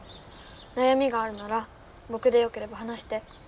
なやみがあるならぼくでよければ話して。